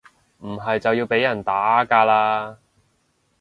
唔係就要被人打㗎喇